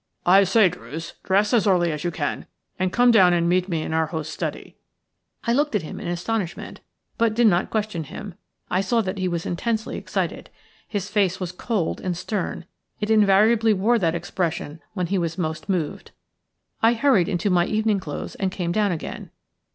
"I say, Druce, dress as early as you can, and come down and meet me in our host's study." I looked at him in astonishment, but did not question him. I saw that he was intensely excited. His face was cold and stern; it invariably wore that expression when he was most moved. I hurried into my evening clothes and came down again.